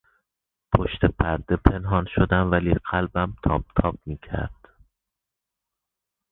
پشت پرده پنهان شدم ولی قلبم تاپ تاپ میکرد.